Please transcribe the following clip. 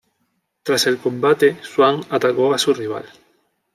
Tras el combate, Swann atacó a su rival.